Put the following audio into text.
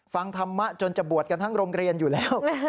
ฟังธรรมะจนจะบวชกันทั้งโรงเรียนอยู่แล้ว